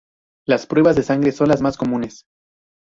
Las pruebas de sangre son las más comunes.